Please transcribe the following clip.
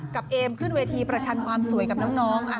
เอมขึ้นเวทีประชันความสวยกับน้อง